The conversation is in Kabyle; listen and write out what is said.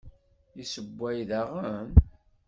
Yessewway daɣen?